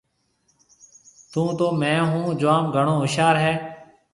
ٿُون تو ميه هون جوم گھڻو هوشيار هيَ۔